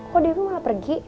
kok dewi malah pergi